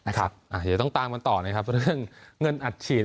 เดี๋ยวต้องตามกันต่อนะครับเรื่องเงินอัดฉีด